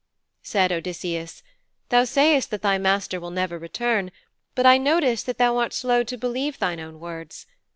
Said Odysseus, 'Thou sayst that thy master will never return, but I notice that thou art slow to believe thine own words.